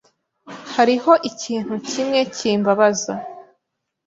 Hariho ikintu kimwe kimbabaza.